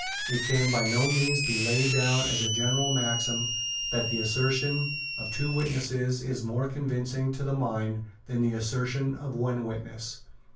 It can by no means be laid down as a general maxim that the assertion of two witnesses is more convincing to the mind than the assertion of one witness.